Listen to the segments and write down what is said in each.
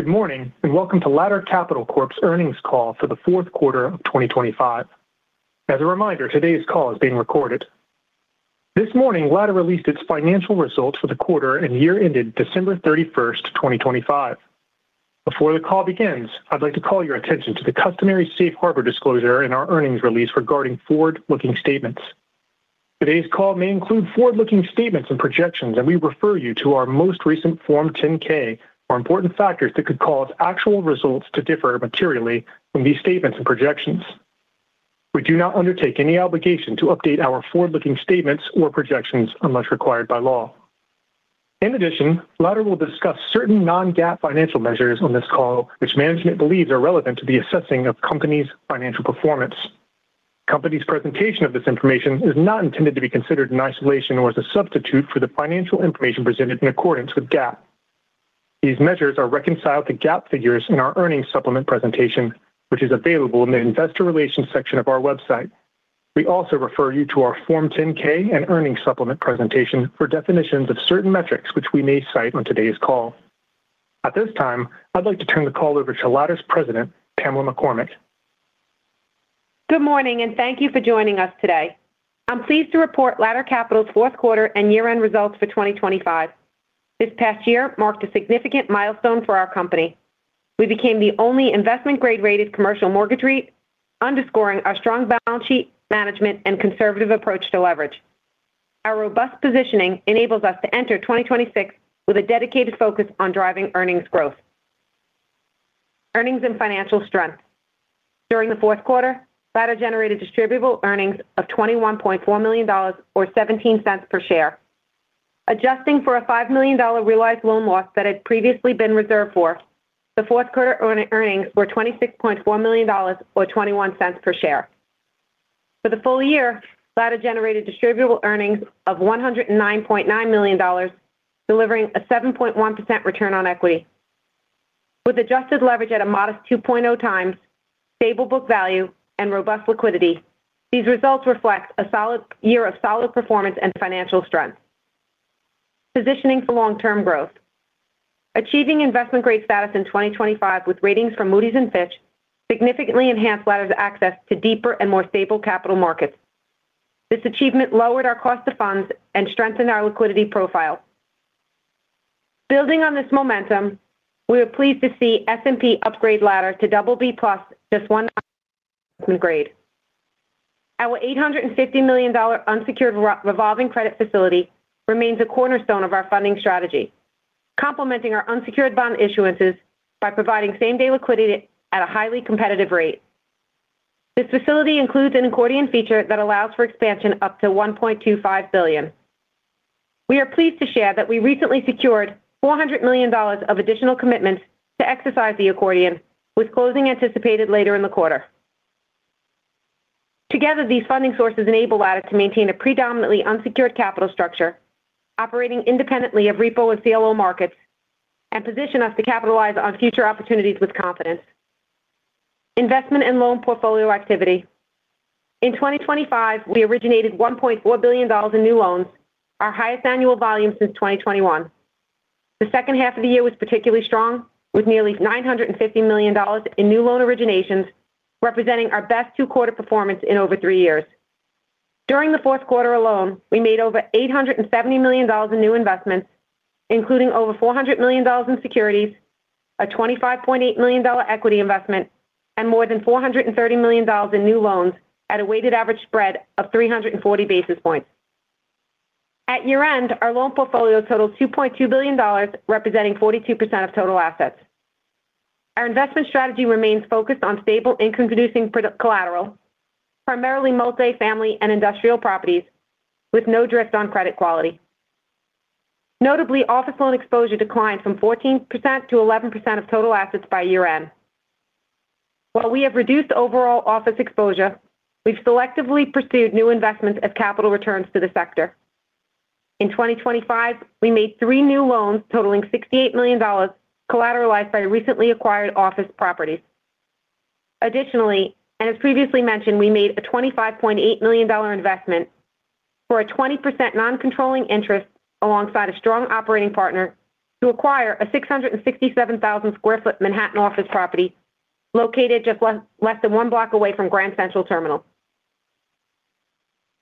Good morning, and welcome to Ladder Capital Corp's earnings call for the fourth quarter of 2025. As a reminder, today's call is being recorded. This morning, Ladder released its financial results for the quarter and year ended December 31, 2025. Before the call begins, I'd like to call your attention to the customary safe harbor disclosure in our earnings release regarding forward-looking statements. Today's call may include forward-looking statements and projections, and we refer you to our most recent Form 10-K for important factors that could cause actual results to differ materially from these statements and projections. We do not undertake any obligation to update our forward-looking statements or projections unless required by law. In addition, Ladder will discuss certain non-GAAP financial measures on this call, which management believes are relevant to the assessing of company's financial performance. Company's presentation of this information is not intended to be considered in isolation or as a substitute for the financial information presented in accordance with GAAP. These measures are reconciled to GAAP figures in our earnings supplement presentation, which is available in the investor relations section of our website. We also refer you to our Form 10-K and earnings supplement presentation for definitions of certain metrics, which we may cite on today's call. At this time, I'd like to turn the call over to Ladder's President, Pamela McCormack. Good morning, and thank you for joining us today. I'm pleased to report Ladder Capital's fourth quarter and year-end results for 2025. This past year marked a significant milestone for our company. We became the only investment grade-rated commercial mortgage REIT, underscoring our strong balance sheet management and conservative approach to leverage. Our robust positioning enables us to enter 2026 with a dedicated focus on driving earnings growth. Earnings and financial strength. During the fourth quarter, Ladder generated distributable earnings of $21.4 million or $0.17 per share. Adjusting for a $5 million realized loan loss that had previously been reserved for, the fourth quarter earnings were $26.4 million or $0.21 per share. For the full year, Ladder generated distributable earnings of $109.9 million, delivering a 7.1 return on equity. With adjusted leverage at a modest 2.0 times stable book value and robust liquidity, these results reflect a solid year of solid performance and financial strength. Positioning for long-term growth. Achieving investment-grade status in 2025, with ratings from Moody's and Fitch significantly enhanced Ladder's access to deeper and more stable capital markets. This achievement lowered our cost of funds and strengthened our liquidity profile. Building on this momentum, we are pleased to see S&P upgrade Ladder to BB+ just one grade. Our $850 million unsecured revolving credit facility remains a cornerstone of our funding strategy, complementing our unsecured bond issuances by providing same-day liquidity at a highly competitive rate. This facility includes an accordion feature that allows for expansion up to $1.25 billion. We are pleased to share that we recently secured $400 million of additional commitments to exercise the accordion, with closing anticipated later in the quarter. Together, these funding sources enable Ladder to maintain a predominantly unsecured capital structure, operating independently of repo and CLO markets and position us to capitalize on future opportunities with confidence. Investment and loan portfolio activity. In 2025, we originated $1.4 billion in new loans, our highest annual volume since 2021. The second half of the year was particularly strong, with nearly $950 million in new loan originations, representing our best two-quarter performance in over three years. During the fourth quarter alone, we made over $870 million in new investments, including over $400 million in securities, a $25.8 million equity investment, and more than $430 million in new loans at a weighted average spread of 340 basis points. At year-end, our loan portfolio totals $2.2 billion, representing 42% of total assets. Our investment strategy remains focused on stable income-producing proper collateral, primarily multifamily and industrial properties, with no drift on credit quality. Notably, office loan exposure declined from 14%-11% of total assets by year-end. While we have reduced overall office exposure, we've selectively pursued new investments as capital returns to the sector. In 2025, we made three new loans totaling $68 million, collateralized by recently acquired office properties. Additionally, and as previously mentioned, we made a $25.8 million investment for a 20% non-controlling interest alongside a strong operating partner to acquire a 667,000 sq ft Manhattan office property located just less than 1 block away from Grand Central Terminal.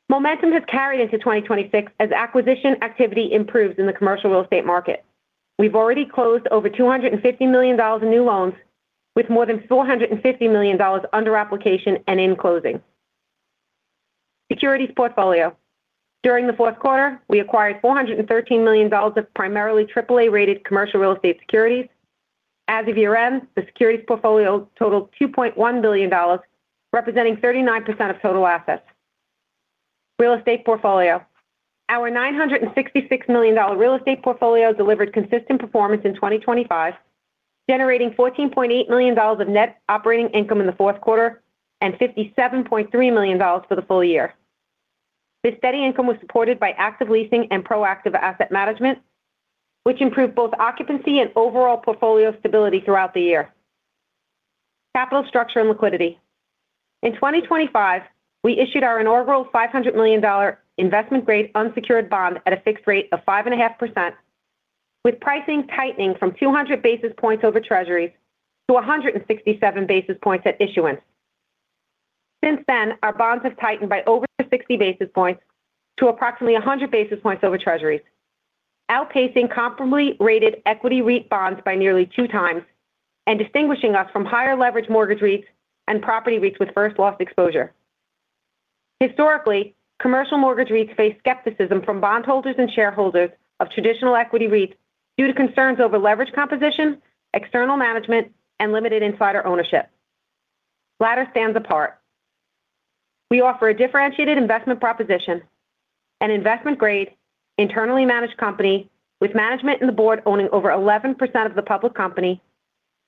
Momentum has carried into 2026 as acquisition activity improves in the commercial real estate market. We've already closed over $250 million in new loans, with more than $450 million under application and in closing. Securities portfolio. During the fourth quarter, we acquired $413 million of primarily AAA-rated commercial real estate securities. As of year-end, the securities portfolio totaled $2.1 billion, representing 39% of total assets. Real estate portfolio. Our $966 million real estate portfolio delivered consistent performance in 2025, generating $14.8 million of net operating income in the fourth quarter and $57.3 million for the full year. This steady income was supported by active leasing and proactive asset management, which improved both occupancy and overall portfolio stability throughout the year. Capital structure and liquidity. In 2025, we issued our inaugural $500 million investment-grade unsecured bond at a fixed rate of 5.5%, with pricing tightening from 200 basis points over Treasuries to 167 basis points at issuance. Since then, our bonds have tightened by over 60 basis points to approximately 100 basis points over Treasuries, outpacing comparably rated equity REIT bonds by nearly 2 times and distinguishing us from higher leverage mortgage REITs and property REITs with first loss exposure. Historically, commercial mortgage REITs face skepticism from bondholders and shareholders of traditional equity REITs due to concerns over leverage composition, external management, and limited insider ownership. Ladder stands apart. We offer a differentiated investment proposition, an investment-grade, internally managed company with management and the board owning over 11% of the public company,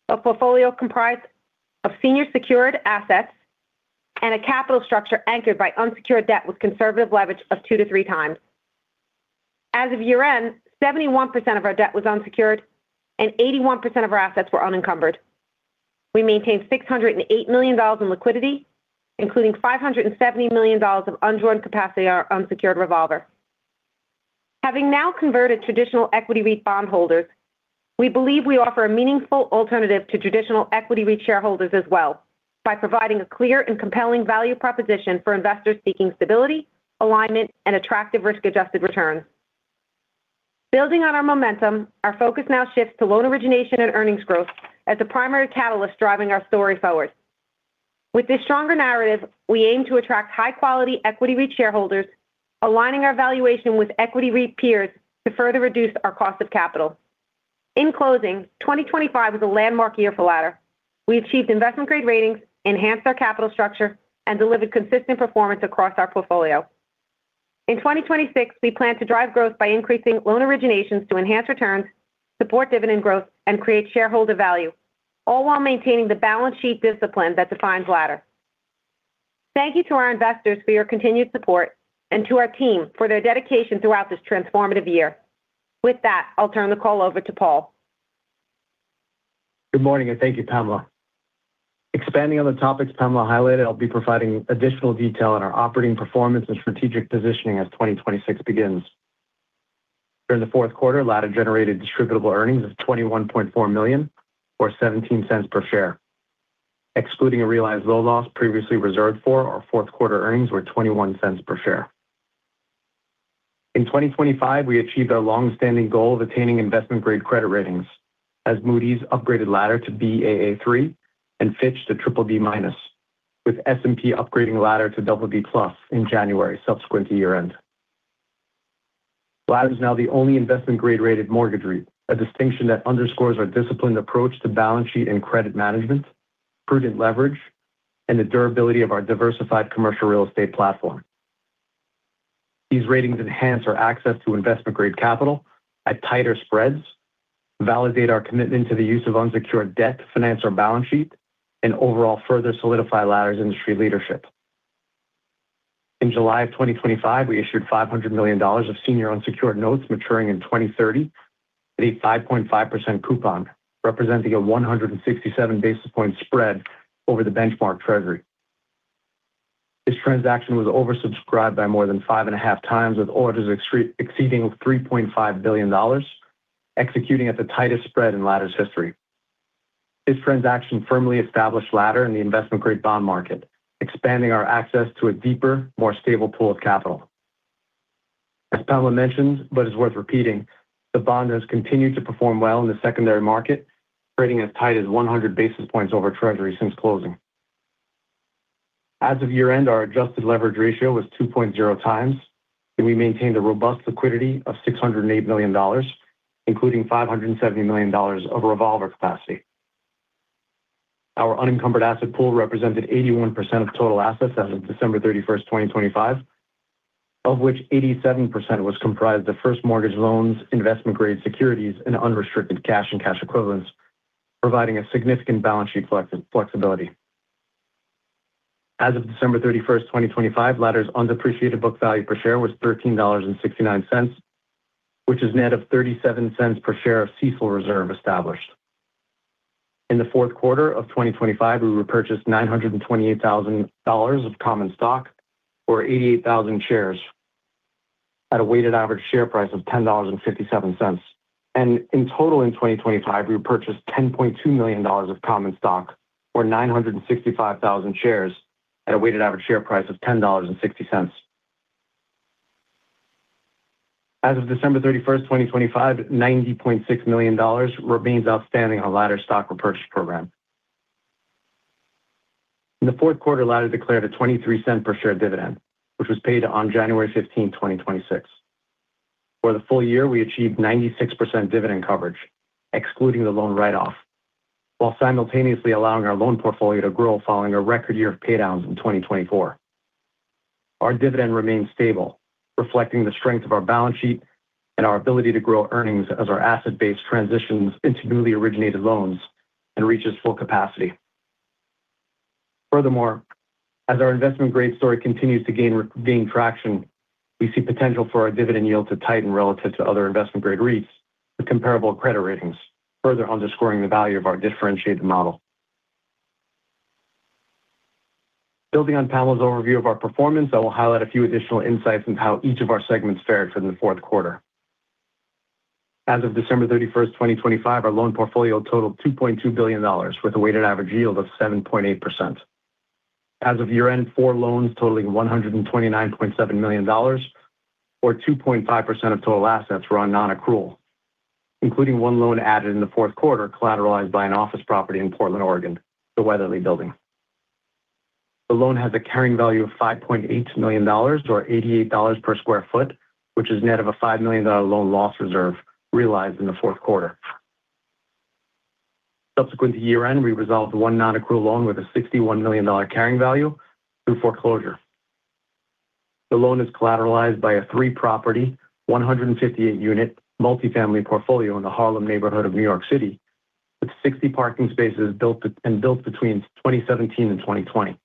a portfolio comprised of senior secured assets and a capital structure anchored by unsecured debt with conservative leverage of 2-3 times. As of year-end, 71% of our debt was unsecured and 81% of our assets were unencumbered. We maintained $608 million in liquidity, including $570 million of undrawn capacity on our unsecured revolver. Having now converted traditional equity REIT bondholders, we believe we offer a meaningful alternative to traditional equity REIT shareholders as well, by providing a clear and compelling value proposition for investors seeking stability, alignment, and attractive risk-adjusted returns. Building on our momentum, our focus now shifts to loan origination and earnings growth as the primary catalyst driving our story forward. With this stronger narrative, we aim to attract high-quality equity REIT shareholders, aligning our valuation with equity REIT peers to further reduce our cost of capital. In closing, 2025 was a landmark year for Ladder. We achieved investment-grade ratings, enhanced our capital structure, and delivered consistent performance across our portfolio. In 2026, we plan to drive growth by increasing loan originations to enhance returns, support dividend growth, and create shareholder value, all while maintaining the balance sheet discipline that defines Ladder. Thank you to our investors for your continued support and to our team for their dedication throughout this transformative year. With that, I'll turn the call over to Paul. Good morning, and thank you, Pamela. Expanding on the topics Pamela highlighted, I'll be providing additional detail on our operating performance and strategic positioning as 2026 begins. During the fourth quarter, Ladder generated distributable earnings of $21.4 million or $0.17 per share. Excluding a realized loan loss previously reserved for, our fourth quarter earnings were $0.21 per share. In 2025, we achieved our long-standing goal of attaining investment-grade credit ratings as Moody's upgraded Ladder to Baa3 and Fitch to BBB-, with S&P upgrading Ladder to BB+ in January, subsequent to year-end. Ladder is now the only investment-grade rated mortgage REIT, a distinction that underscores our disciplined approach to balance sheet and credit management, prudent leverage, and the durability of our diversified commercial real estate platform. These ratings enhance our access to investment-grade capital at tighter spreads, validate our commitment to the use of unsecured debt to finance our balance sheet, and overall further solidify Ladder's industry leadership. In July of 2025, we issued $500 million of senior unsecured notes maturing in 2030 at a 5.5% coupon, representing a 167 basis point spread over the benchmark Treasury. This transaction was oversubscribed by more than 5.5 times, with orders exceeding $3.5 billion, executing at the tightest spread in Ladder's history. This transaction firmly established Ladder in the investment-grade bond market, expanding our access to a deeper, more stable pool of capital. As Pamela mentioned, but it's worth repeating, the bond has continued to perform well in the secondary market, trading as tight as 100 basis points over Treasury since closing. As of year-end, our adjusted leverage ratio was 2.0 times, and we maintained a robust liquidity of $608 million, including $570 million of revolver capacity. Our unencumbered asset pool represented 81% of total assets as of December 31, 2025, of which 87% was comprised of first mortgage loans, investment-grade securities, and unrestricted cash and cash equivalents, providing a significant balance sheet flexibility. As of December 31, 2025, Ladder's undepreciated book value per share was $13.69, which is net of 37 cents per share of CECL reserve established. In the fourth quarter of 2025, we repurchased $928,000 of common stock or 88,000 shares at a weighted average share price of $10.57. In total, in 2025, we repurchased $10.2 million of common stock or 965,000 shares at a weighted average share price of $10.60. As of December 31, 2025, $90.6 million remains outstanding on Ladder stock repurchase program. In the fourth quarter, Ladder declared a $0.23 per share dividend, which was paid on January 15, 2026. For the full year, we achieved 96% dividend coverage, excluding the loan write-off, while simultaneously allowing our loan portfolio to grow following a record year of paydowns in 2024. Our dividend remains stable, reflecting the strength of our balance sheet and our ability to grow earnings as our asset base transitions into newly originated loans and reaches full capacity. Furthermore, as our investment grade story continues to gain traction, we see potential for our dividend yield to tighten relative to other investment grade REITs with comparable credit ratings, further underscoring the value of our differentiated model. Building on Pamela's overview of our performance, I will highlight a few additional insights into how each of our segments fared for the fourth quarter. As of December 31, 2025, our loan portfolio totaled $2.2 billion, with a weighted average yield of 7.8%. As of year-end, four loans totaling $129.7 million, or 2.5% of total assets, were on nonaccrual, including one loan added in the fourth quarter, collateralized by an office property in Portland, Oregon, the Weatherly Building. The loan has a carrying value of $5.8 million, or $88 per sq ft, which is net of a $5 million loan loss reserve realized in the fourth quarter. Subsequent to year-end, we resolved one nonaccrual loan with a $61 million carrying value through foreclosure. The loan is collateralized by a three-property, 158-unit, multifamily portfolio in the Harlem neighborhood of New York City, with 60 parking spaces built between 2017 and 2020.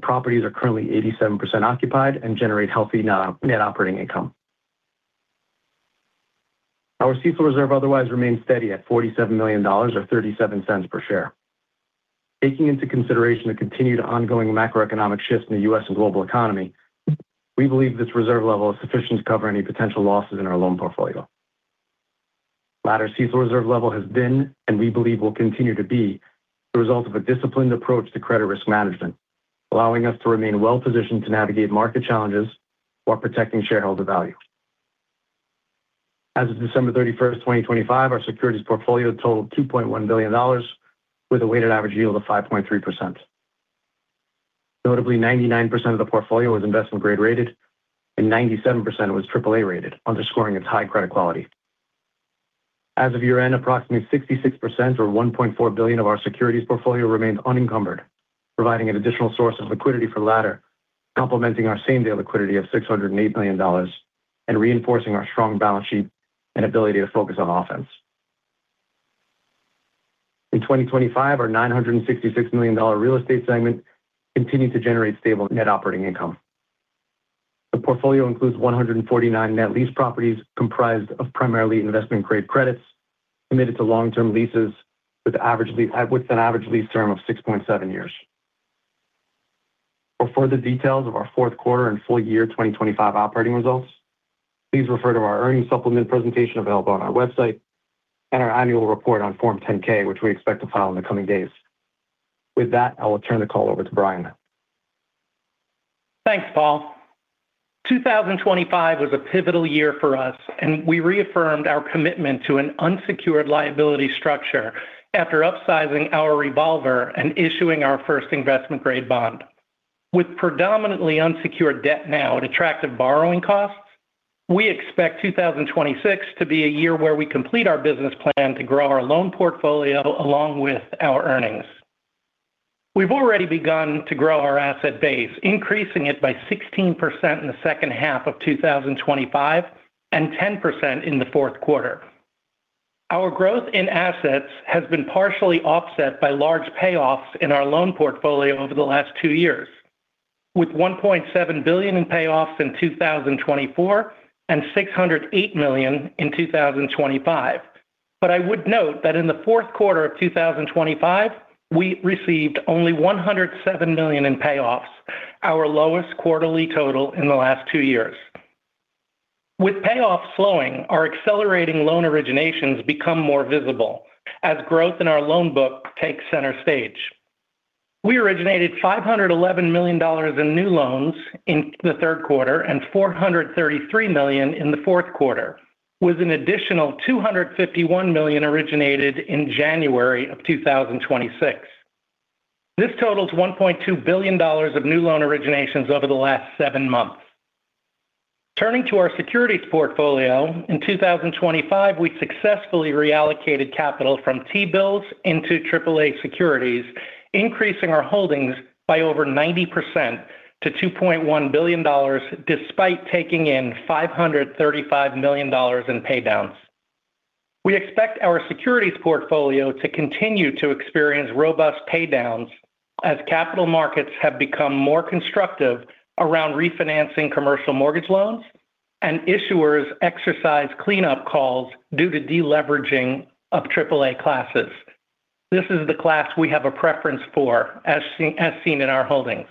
The properties are currently 87% occupied and generate healthy net operating income. Our CECL reserve otherwise remains steady at $47 million, or $0.37 per share. Taking into consideration the continued ongoing macroeconomic shifts in the U.S. and global economy, we believe this reserve level is sufficient to cover any potential losses in our loan portfolio. Ladder CECL reserve level has been, and we believe will continue to be, the result of a disciplined approach to credit risk management, allowing us to remain well-positioned to navigate market challenges while protecting shareholder value. As of December 31, 2025, our securities portfolio totaled $2.1 billion, with a weighted average yield of 5.3%. Notably, 99% of the portfolio was investment grade rated, and 97% was AAA rated, underscoring its high credit quality. As of year-end, approximately 66% or $1.4 billion of our securities portfolio remains unencumbered, providing an additional source of liquidity for Ladder, complementing our same-day liquidity of $608 million and reinforcing our strong balance sheet and ability to focus on offense. In 2025, our $966 million real estate segment continued to generate stable net operating income. The portfolio includes 149 net lease properties, comprised of primarily investment-grade credits committed to long-term leases, with an average lease term of 6.7 years. For further details of our fourth quarter and full year 2025 operating results, please refer to our earnings supplement presentation available on our website and our annual report on Form 10-K, which we expect to file in the coming days. With that, I will turn the call over to Brian. Thanks, Paul. 2025 was a pivotal year for us, and we reaffirmed our commitment to an unsecured liability structure after upsizing our revolver and issuing our first investment-grade bond. With predominantly unsecured debt now at attractive borrowing costs, we expect 2026 to be a year where we complete our business plan to grow our loan portfolio along with our earnings. We've already begun to grow our asset base, increasing it by 16% in the second half of 2025 and 10% in the fourth quarter. Our growth in assets has been partially offset by large payoffs in our loan portfolio over the last two years, with $1.7 billion in payoffs in 2024 and $608 million in 2025. But I would note that in the fourth quarter of 2025, we received only $107 million in payoffs, our lowest quarterly total in the last two years. With payoffs slowing, our accelerating loan originations become more visible as growth in our loan book takes center stage. We originated $511 million in new loans in the third quarter and $433 million in the fourth quarter, with an additional $251 million originated in January of 2026. This totals $1.2 billion of new loan originations over the last seven months. Turning to our securities portfolio, in 2025, we successfully reallocated capital from T-bills into AAA securities, increasing our holdings by over 90% to $2.1 billion, despite taking in $535 million in paydowns. We expect our securities portfolio to continue to experience robust paydowns as capital markets have become more constructive around refinancing commercial mortgage loans and issuers exercise cleanup calls due to deleveraging of AAA classes. This is the class we have a preference for, as seen in our holdings.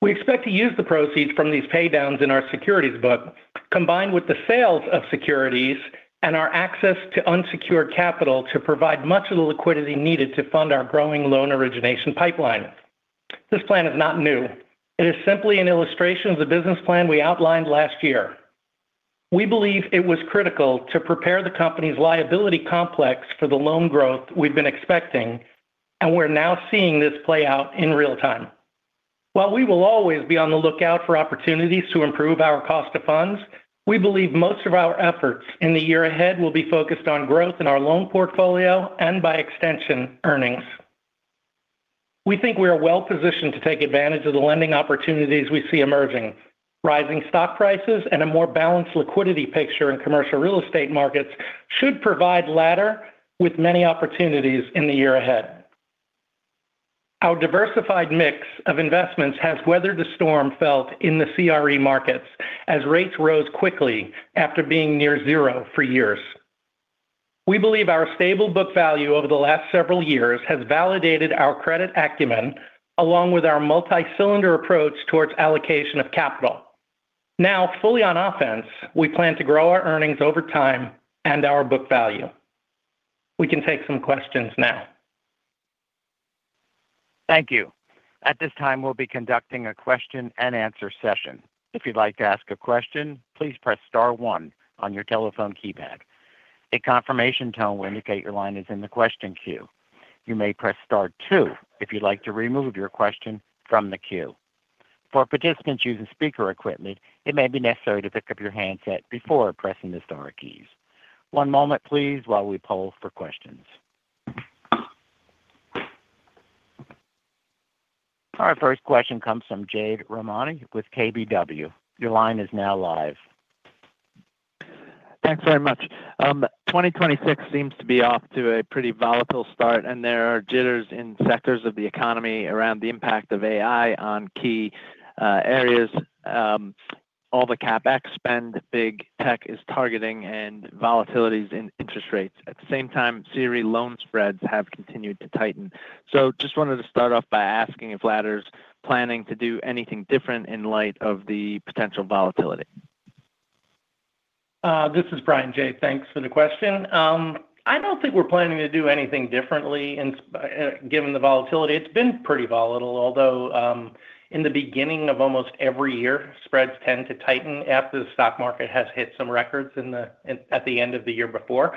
We expect to use the proceeds from these paydowns in our securities book, combined with the sales of securities and our access to unsecured capital to provide much of the liquidity needed to fund our growing loan origination pipeline. This plan is not new. It is simply an illustration of the business plan we outlined last year. We believe it was critical to prepare the company's liability complex for the loan growth we've been expecting, and we're now seeing this play out in real time. While we will always be on the lookout for opportunities to improve our cost of funds, we believe most of our efforts in the year ahead will be focused on growth in our loan portfolio and, by extension, earnings. We think we are well positioned to take advantage of the lending opportunities we see emerging. Rising stock prices and a more balanced liquidity picture in commercial real estate markets should provide Ladder with many opportunities in the year ahead. Our diversified mix of investments has weathered the storm felt in the CRE markets as rates rose quickly after being near zero for years. We believe our stable book value over the last several years has validated our credit acumen, along with our multi-cylinder approach towards allocation of capital. Now, fully on offense, we plan to grow our earnings over time and our book value. We can take some questions now. Thank you. At this time, we'll be conducting a question-and-answer session. If you'd like to ask a question, please press star one on your telephone keypad. A confirmation tone will indicate your line is in the question queue. You may press star two if you'd like to remove your question from the queue. For participants using speaker equipment, it may be necessary to pick up your handset before pressing the star keys. One moment please, while we poll for questions. Our first question comes from Jade Rahmani with KBW. Your line is now live. Thanks very much. 2026 seems to be off to a pretty volatile start, and there are jitters in sectors of the economy around the impact of AI on key areas, all the CapEx spend big tech is targeting and volatilities in interest rates. At the same time, CRE loan spreads have continued to tighten. Just wanted to start off by asking if Ladder's planning to do anything different in light of the potential volatility? This is Brian, Jade. Thanks for the question. I don't think we're planning to do anything differently in given the volatility. It's been pretty volatile, although in the beginning of almost every year, spreads tend to tighten after the stock market has hit some records in the at the end of the year before,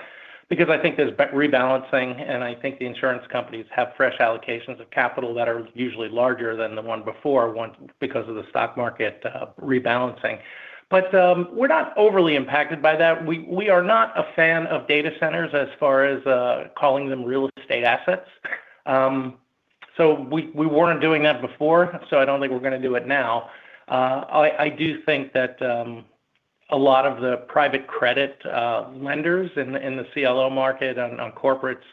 because I think there's rebalancing, and I think the insurance companies have fresh allocations of capital that are usually larger than the one before, because of the stock market rebalancing. But we're not overly impacted by that. We are not a fan of data centers as far as calling them real estate assets. So we weren't doing that before, so I don't think we're going to do it now. I do think that a lot of the private credit lenders in the CLO market and on corporates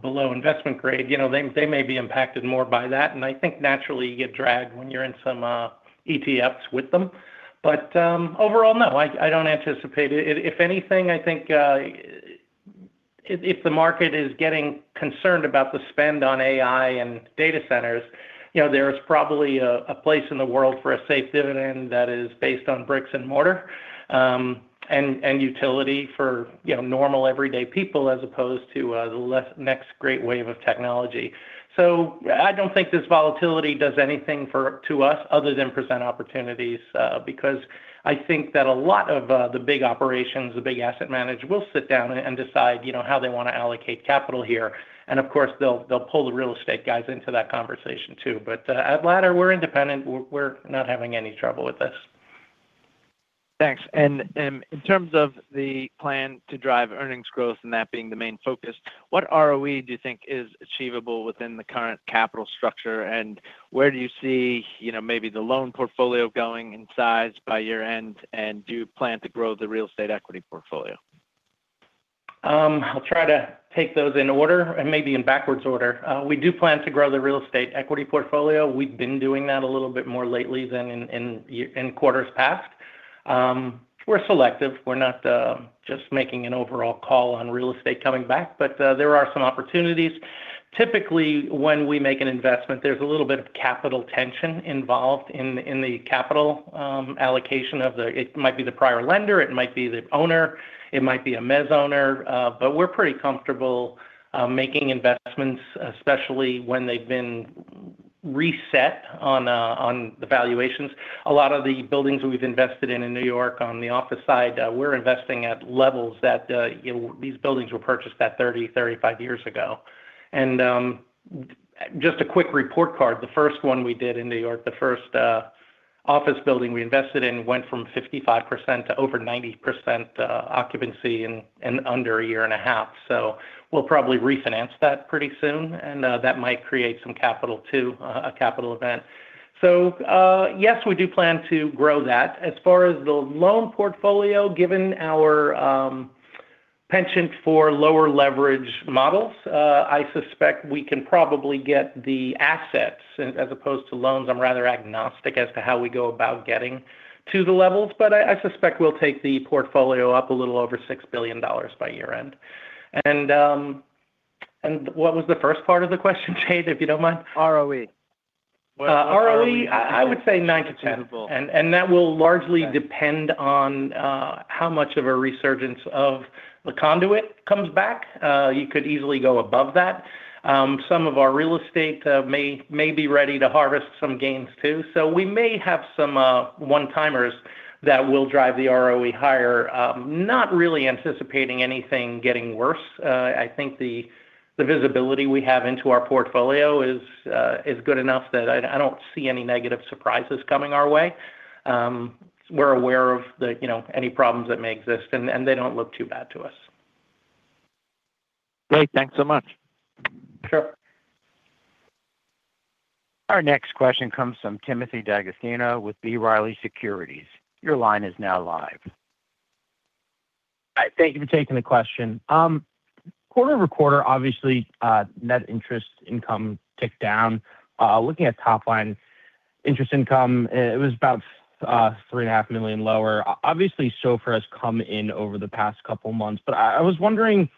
below investment grade, you know, they may be impacted more by that, and I think naturally, you get dragged when you're in some ETFs with them. But overall, no, I don't anticipate it. If anything, I think if the market is getting concerned about the spend on AI and data centers, you know, there is probably a place in the world for a safe dividend that is based on bricks and mortar and utility for, you know, normal everyday people, as opposed to the next great wave of technology. So I don't think this volatility does anything to us other than present opportunities, because I think that a lot of the big operations, the big asset managers, will sit down and decide, you know, how they wanna allocate capital here. And of course, they'll pull the real estate guys into that conversation, too. But at Ladder, we're independent. We're not having any trouble with this. Thanks. In terms of the plan to drive earnings growth and that being the main focus, what ROE do you think is achievable within the current capital structure? Where do you see, you know, maybe the loan portfolio going in size by year-end, and do you plan to grow the real estate equity portfolio? I'll try to take those in order, and maybe in backwards order. We do plan to grow the real estate equity portfolio. We've been doing that a little bit more lately than in quarters past. We're selective. We're not just making an overall call on real estate coming back, but there are some opportunities. Typically, when we make an investment, there's a little bit of capital tension involved in the capital allocation of the, it might be the prior lender, it might be the owner, it might be a mezz owner, but we're pretty comfortable making investments, especially when they've been reset on the valuations. A lot of the buildings we've invested in in New York on the office side, we're investing at levels that these buildings were purchased at 30-35 years ago. Just a quick report card, the first one we did in New York, the first office building we invested in, went from 55% to over 90% occupancy in under a year and a half. So we'll probably refinance that pretty soon, and that might create some capital too, a capital event. So, yes, we do plan to grow that. As far as the loan portfolio, given our penchant for lower leverage models, I suspect we can probably get the assets as opposed to loans. I'm rather agnostic as to how we go about getting to the levels, but I suspect we'll take the portfolio up a little over $6 billion by year-end. And, and what was the first part of the question, Jade, if you don't mind? ROE. ROE? I would say nine-10. Achievable. That will largely depend on how much of a resurgence of the conduit comes back. You could easily go above that. Some of our real estate may be ready to harvest some gains, too. So we may have some one-timers that will drive the ROE higher. Not really anticipating anything getting worse. I think the visibility we have into our portfolio is good enough that I don't see any negative surprises coming our way. We're aware of the, you know, any problems that may exist, and they don't look too bad to us. Great, thanks so much. Sure. Our next question comes from Timothy D'Agostino with B. Riley Securities. Your line is now live. Hi, thank you for taking the question. Quarter-over-quarter, obviously, net interest income ticked down. Looking at top line interest income, it was about $3.5 million lower. Obviously, SOFR has come in over the past couple of months. But I was wondering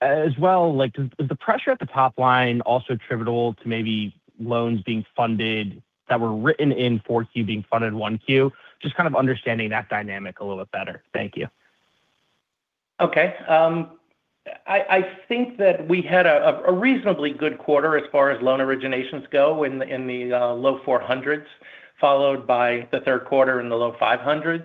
as well, like, does is the pressure at the top line also attributable to maybe loans being funded that were written in 4Q being funded in 1Q? Just kind of understanding that dynamic a little bit better. Thank you. Okay. I think that we had a reasonably good quarter as far as loan originations go in the low 400s, followed by the third quarter in the low 500s.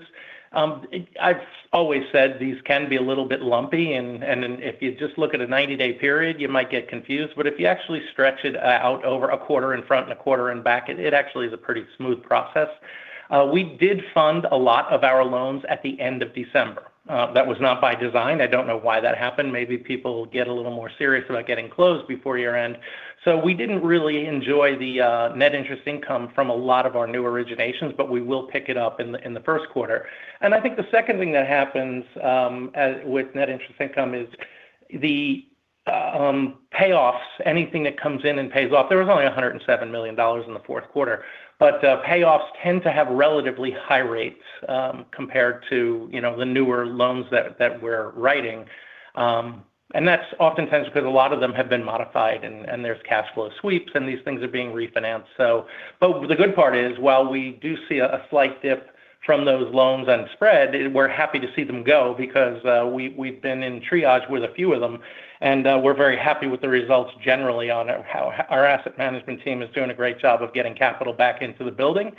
I've always said these can be a little bit lumpy, and then if you just look at a 90-day period, you might get confused. But if you actually stretch it out over a quarter in front and a quarter in back, it actually is a pretty smooth process. We did fund a lot of our loans at the end of December. That was not by design. I don't know why that happened. Maybe people get a little more serious about getting closed before year-end. So we didn't really enjoy the net interest income from a lot of our new originations, but we will pick it up in the first quarter. And I think the second thing that happens with net interest income is the payoffs, anything that comes in and pays off. There was only $107 million in the fourth quarter. But payoffs tend to have relatively high rates compared to, you know, the newer loans that we're writing. And that's oftentimes 'cause a lot of them have been modified and there's cash flow sweeps, and these things are being refinanced, so. But the good part is, while we do see a slight dip from those loans and spread, we're happy to see them go because we've been in triage with a few of them, and we're very happy with the results generally on how our asset management team is doing a great job of getting capital back into the building.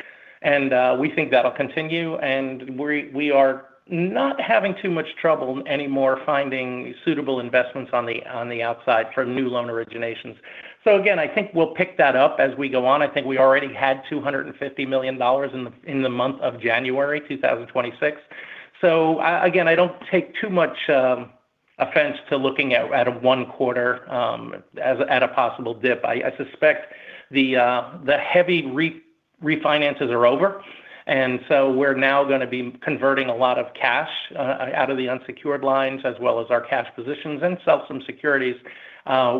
And we think that'll continue, and we are not having too much trouble anymore finding suitable investments on the outside for new loan originations. So again, I think we'll pick that up as we go on. I think we already had $250 million in the month of January 2026. So again, I don't take too much offense to looking at a one quarter as a possible dip. I suspect the heavy refinances are over, and so we're now gonna be converting a lot of cash out of the unsecured lines, as well as our cash positions and sell some securities.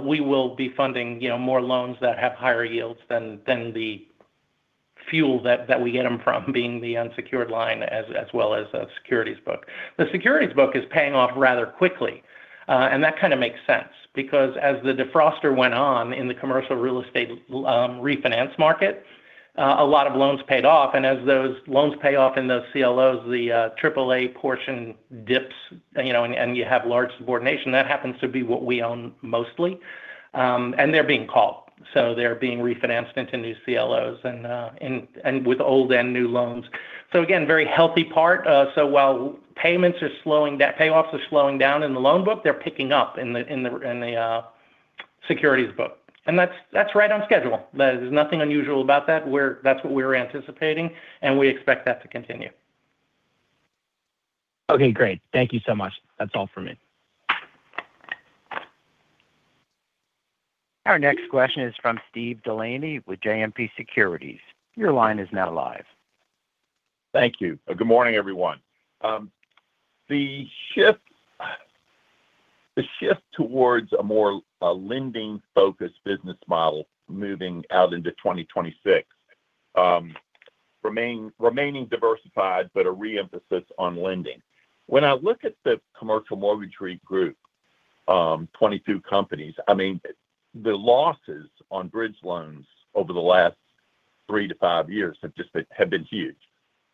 We will be funding, you know, more loans that have higher yields than the yield that we get from the unsecured line as well as a securities book. The securities book is paying off rather quickly, and that kinda makes sense because as the de-levering went on in the commercial real estate refinance market, a lot of loans paid off, and as those loans pay off in those CLOs, the triple-A portion dips, you know, and you have large subordination. That happens to be what we own mostly, and they're being called. So they're being refinanced into new CLOs and with old and new loans. So again, very healthy part. So while payments are slowing down, payoffs are slowing down in the loan book, they're picking up in the securities book. And that's right on schedule. There's nothing unusual about that. That's what we're anticipating, and we expect that to continue. Okay, great. Thank you so much. That's all for me. Our next question is from Steve Delaney with JMP Securities. Your line is now live. Thank you. Good morning, everyone. The shift towards a more lending-focused business model moving out into 2026, remaining diversified, but a re-emphasis on lending. When I look at the commercial mortgage REIT group, 22 companies, I mean, the losses on bridge loans over the last three-five years have just been huge.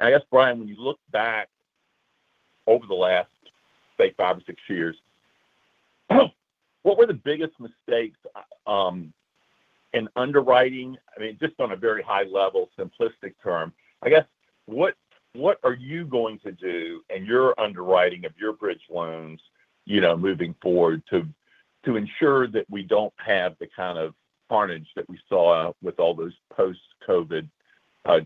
I guess, Brian, when you look back over the last, say, five or six years, what were the biggest mistakes in underwriting? I mean, just on a very high level, simplistic term, I guess, what are you going to do in your underwriting of your bridge loans, you know, moving forward, to ensure that we don't have the kind of carnage that we saw with all those post-COVID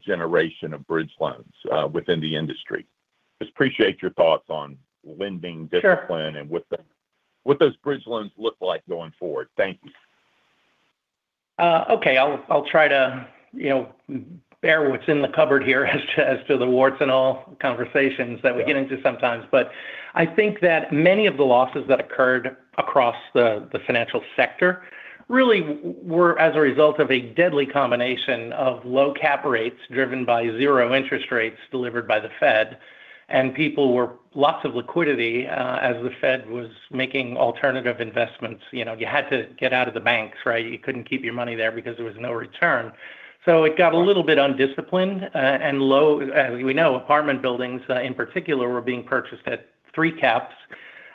generation of bridge loans within the industry? Just appreciate your thoughts on lending Sure Discipline and what those bridge loans look like going forward. Thank you. Okay, I'll try to, you know, bear what's in the cupboard here as to the warts and all conversations Yeah that we get into sometimes. But I think that many of the losses that occurred across the financial sector really were as a result of a deadly combination of low cap rates, driven by zero interest rates delivered by the Fed, and lots of liquidity, as the Fed was making alternative investments. You know, you had to get out of the banks, right? You couldn't keep your money there because there was no return. So it got a little bit undisciplined, and as we know, apartment buildings in particular were being purchased at three caps.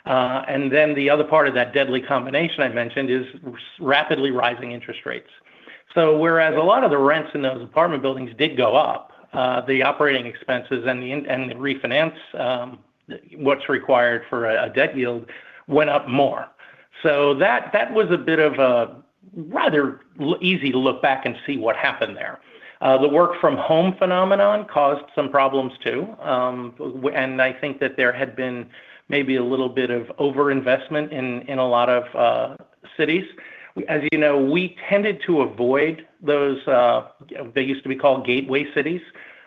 And then the other part of that deadly combination I mentioned is rapidly rising interest rates. So whereas a lot of the rents in those apartment buildings did go up, the operating expenses and the refinance, what's required for a debt yield went up more. So that was rather easy to look back and see what happened there. The work from home phenomenon caused some problems, too. I think that there had been maybe a little bit of overinvestment in a lot of cities. As you know, we tended to avoid those they used to be called gateway cities,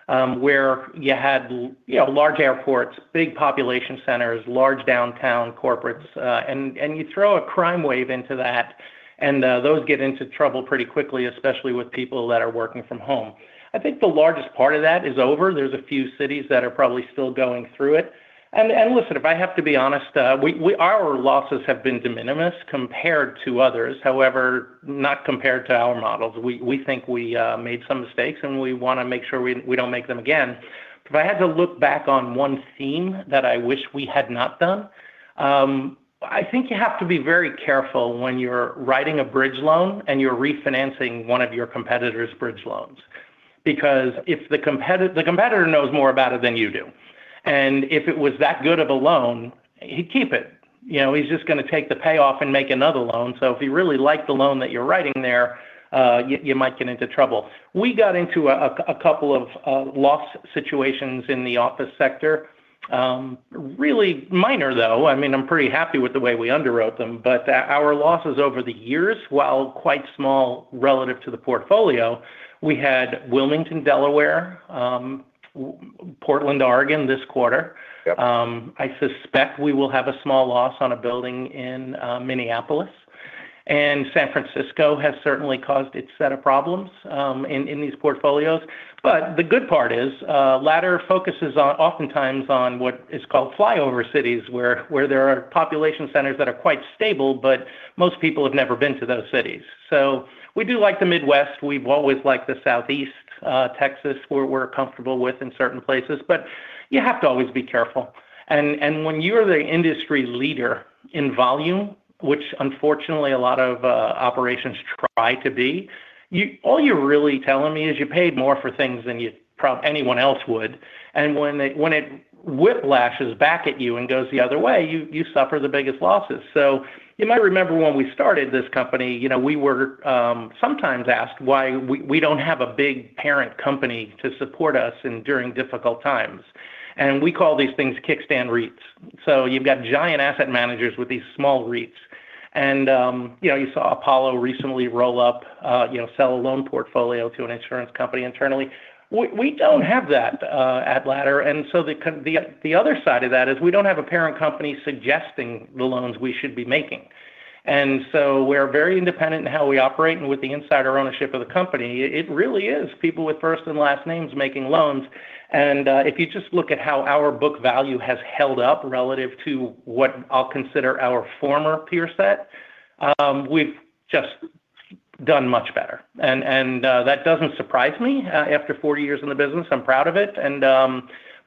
where you had, you know, large airports, big population centers, large downtown corporates. And you throw a crime wave into that, and those get into trouble pretty quickly, especially with people that are working from home. I think the largest part of that is over. There's a few cities that are probably still going through it. Listen, if I have to be honest, our losses have been de minimis compared to others. However, not compared to our models. We think we made some mistakes, and we wanna make sure we don't make them again. If I had to look back on one theme that I wish we had not done, I think you have to be very careful when you're writing a bridge loan and you're refinancing one of your competitor's bridge loans. Because if the competitor knows more about it than you do, and if it was that good of a loan, he'd keep it. You know, he's just gonna take the payoff and make another loan. So if he really liked the loan that you're writing there, you might get into trouble. We got into a couple of loss situations in the office sector. Really minor, though. I mean, I'm pretty happy with the way we underwrote them, but our losses over the years, while quite small relative to the portfolio, we had Wilmington, Delaware, Portland, Oregon, this quarter. Yep. I suspect we will have a small loss on a building in Minneapolis, and San Francisco has certainly caused its set of problems in these portfolios. But the good part is, Ladder focuses on, oftentimes on what is called flyover cities, where there are population centers that are quite stable, but most people have never been to those cities. So we do like the Midwest. We've always liked the Southeast. Texas, we're comfortable with in certain places, but you have to always be careful. And when you're the industry leader in volume, which unfortunately a lot of operations try to be, all you're really telling me is you paid more for things than anyone else would. And when it whiplashes back at you and goes the other way, you suffer the biggest losses. So you might remember when we started this company, you know, we were sometimes asked why we don't have a big parent company to support us in during difficult times. And we call these things kickstand REITs. So you've got giant asset managers with these small REITs. And, you know, you saw Apollo recently roll up, sell a loan portfolio to an insurance company internally. We don't have that at Ladder, and so the other side of that is we don't have a parent company suggesting the loans we should be making. And so we're very independent in how we operate, and with the insider ownership of the company, it really is people with first and last names making loans. And, if you just look at how our book value has held up relative to what I'll consider our former peer set, we've just done much better. And that doesn't surprise me, after 40 years in the business, I'm proud of it. And,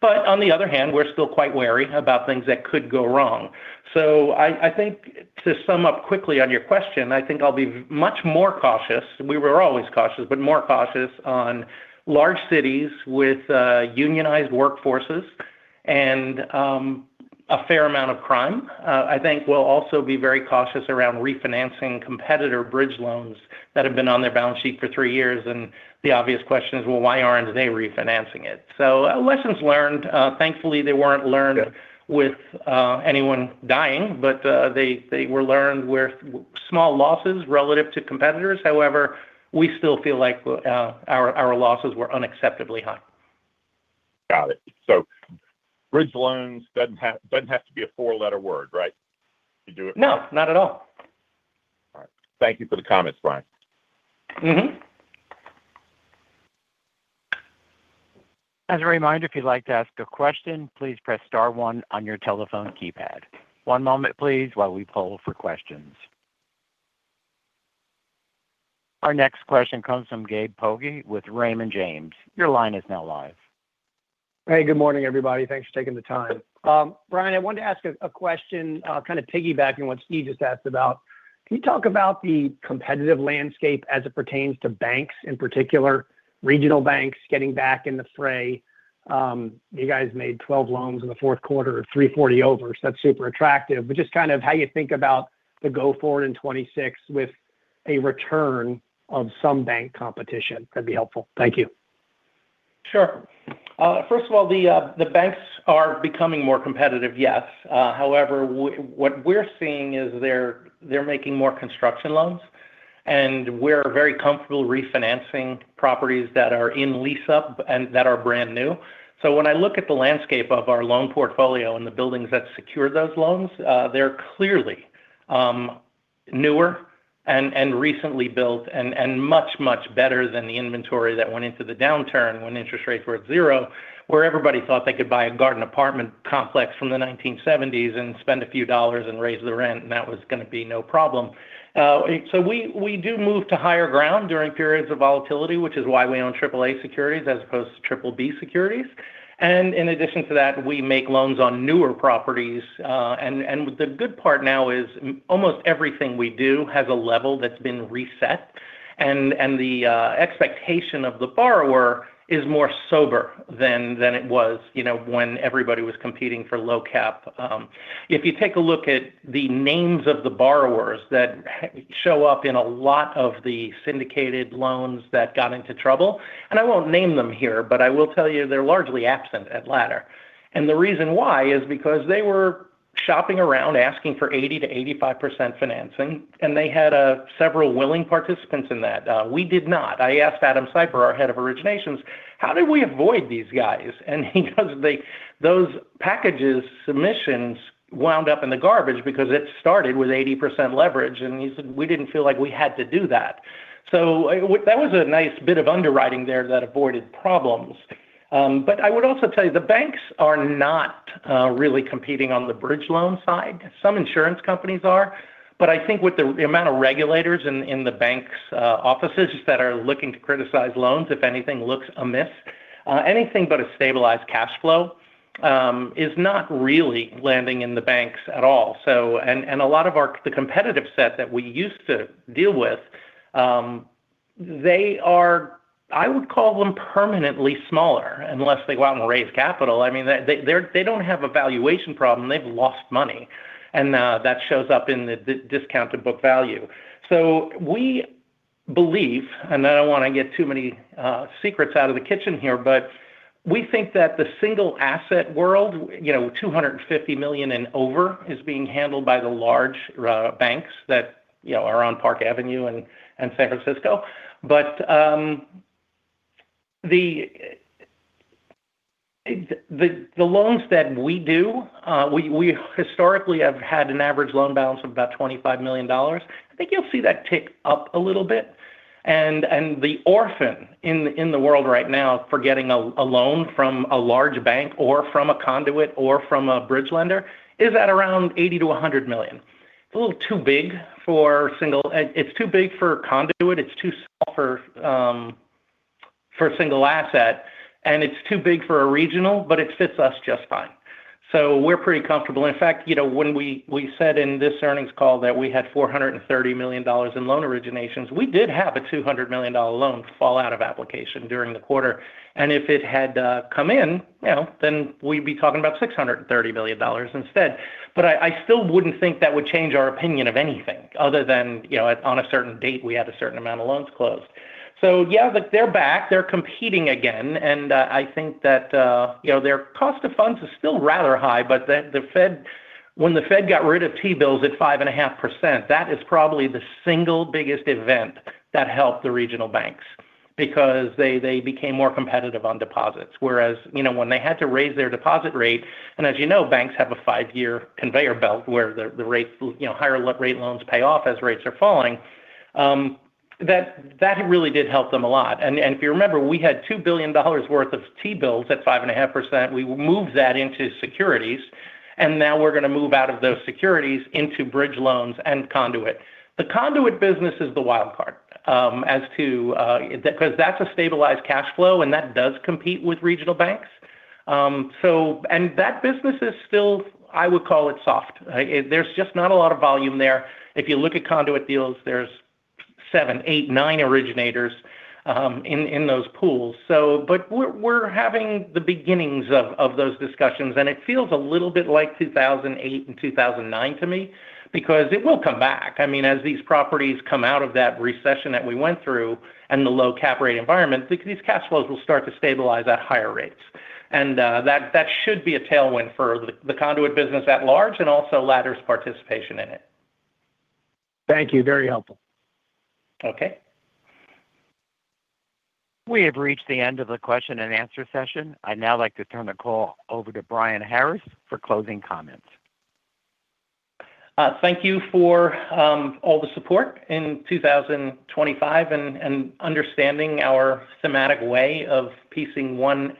but on the other hand, we're still quite wary about things that could go wrong. So I think to sum up quickly on your question, I think I'll be much more cautious. We were always cautious, but more cautious on large cities with unionized workforces and a fair amount of crime. I think we'll also be very cautious around refinancing competitor bridge loans that have been on their balance sheet for three years, and the obvious question is, well, why aren't they refinancing it? So lessons learned. Thankfully, they weren't learned Yeah With anyone dying, but they were lenders with small losses relative to competitors. However, we still feel like our losses were unacceptably high. Got it. So bridge loans doesn't have to be a four-letter word, right, to do it? No, not at all. All right. Thank you for the comments, Brian. Mm-hmm. As a reminder, if you'd like to ask a question, please press star one on your telephone keypad. One moment, please, while we poll for questions. Our next question comes from Gabe Poggi with Raymond James. Your line is now live. Hey, good morning, everybody. Thanks for taking the time. Brian, I wanted to ask a question, kind of piggybacking what Steve just asked about. Can you talk about the competitive landscape as it pertains to banks, in particular, regional banks getting back in the fray? You guys made 12 loans in the fourth quarter, 340 over, so that's super attractive. But just kind of how you think about the go forward in 2026 with a return of some bank competition, that'd be helpful. Thank you. Sure. First of all, the banks are becoming more competitive, yes. However, what we're seeing is they're making more construction loans, and we're very comfortable refinancing properties that are in lease-up and that are brand new. So when I look at the landscape of our loan portfolio and the buildings that secure those loans, they're clearly newer and recently built and much better than the inventory that went into the downturn when interest rates were at zero, where everybody thought they could buy a garden apartment complex from the 1970s and spend a few dollars and raise the rent, and that was gonna be no problem. So we do move to higher ground during periods of volatility, which is why we own Triple-A securities as opposed to Triple-B securities. In addition to that, we make loans on newer properties. And the good part now is almost everything we do has a level that's been reset, and the expectation of the borrower is more sober than it was, you know, when everybody was competing for low cap. If you take a look at the names of the borrowers that show up in a lot of the syndicated loans that got into trouble, and I won't name them here, but I will tell you they're largely absent at Ladder. And the reason why is because they were shopping around, asking for 80%-85% financing, and they had several willing participants in that. We did not. I asked Adam Siper, our Head of Origination: "How did we avoid these guys?" And he goes, "Those packages submissions wound up in the garbage because it started with 80% leverage." And he said, "We didn't feel like we had to do that." So that was a nice bit of underwriting there that avoided problems. But I would also tell you, the banks are not really competing on the bridge loan side. Some insurance companies are, but I think with the amount of regulators in the bank's offices that are looking to criticize loans, if anything looks amiss, anything but a stabilized cashflow is not really landing in the banks at all. So, a lot of our, the competitive set that we used to deal with, they are, I would call them permanently smaller, unless they go out and raise capital. I mean, they don't have a valuation problem, they've lost money, and that shows up in the discount to book value. So we believe, and I don't wanna get too many secrets out of the kitchen here, but we think that the single asset world, you know, $250 million and over, is being handled by the large banks that, you know, are on Park Avenue and San Francisco. But the loans that we do, we historically have had an average loan balance of about $25 million. I think you'll see that tick up a little bit. And the orphan in the world right now for getting a loan from a large bank or from a conduit or from a bridge lender is at around $80 million-$100 million. A little too big for single. It's too big for a conduit, it's too small for a single asset, and it's too big for a regional, but it fits us just fine. So we're pretty comfortable. In fact, you know, when we said in this earnings call that we had $430 million in loan originations, we did have a $200 million loan fall out of application during the quarter, and if it had come in, you know, then we'd be talking about $630 billion instead. But I still wouldn't think that would change our opinion of anything, other than, you know, on a certain date, we had a certain amount of loans closed. So yeah, but they're back, they're competing again, and I think that, you know, their cost of funds is still rather high, but the Fed, when the Fed got rid of T-bills at 5.5%, that is probably the single biggest event that helped the regional banks because they became more competitive on deposits. Whereas, you know, when they had to raise their deposit rate, and as you know, banks have a five-year conveyor belt where the rates, you know, higher rate loans pay off as rates are falling, that really did help them a lot. If you remember, we had $2 billion worth of T-bills at 5.5%. We moved that into securities, and now we're gonna move out of those securities into bridge loans and conduit. The conduit business is the wild card, as to, because that's a stabilized cashflow, and that does compete with regional banks. And that business is still, I would call it soft. There's just not a lot of volume there. If you look at conduit deals, there's seven, eight, nine originators in those pools. So but we're having the beginnings of those discussions, and it feels a little bit like 2008 and 2009 to me because it will come back. I mean, as these properties come out of that recession that we went through and the low cap rate environment, these cash flows will start to stabilize at higher rates. And that should be a tailwind for the conduit business at large and also Ladder's participation in it. Thank you. Very helpful. Okay. We have reached the end of the question and answer session. I'd now like to turn the call over to Brian Harris for closing comments. Thank you for all the support in 2025 and understanding our thematic way of piecing one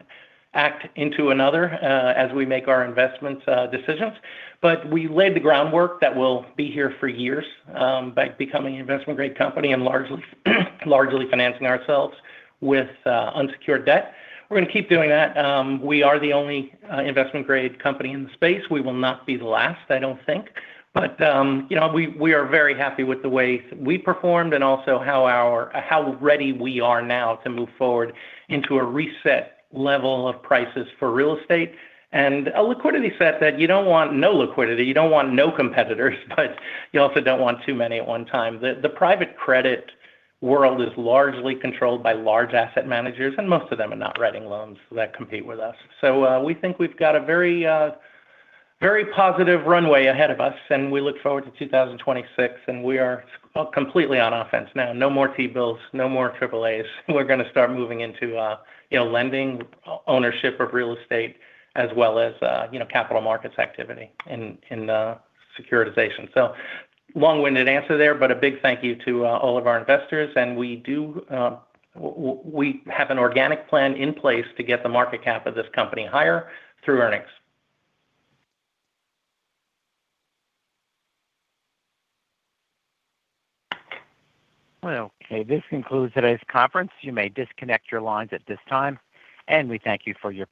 act into another, as we make our investment decisions. But we laid the groundwork that will be here for years, by becoming an investment-grade company and largely financing ourselves with unsecured debt. We're gonna keep doing that. We are the only investment-grade company in the space. We will not be the last, I don't think. But you know, we are very happy with the way we performed and also how ready we are now to move forward into a reset level of prices for real estate. And a liquidity set that you don't want no liquidity, you don't want no competitors, but you also don't want too many at one time. The private credit world is largely controlled by large asset managers, and most of them are not writing loans that compete with us. So, we think we've got a very, very positive runway ahead of us, and we look forward to 2026, and we are completely on offense now. No more T-bills, no more AAAs. We're gonna start moving into, you know, lending, ownership of real estate, as well as, you know, capital markets activity in securitization. So long-winded answer there, but a big thank you to all of our investors, and we do, we have an organic plan in place to get the market cap of this company higher through earnings. Well, okay, this concludes today's conference. You may disconnect your lines at this time, and we thank you for your participation.